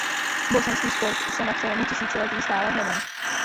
Bosenský sport se na přelomu tisíciletí stále hledal.